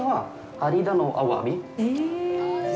有田のアワビ。